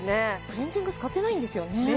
クレンジング使ってないんですよね？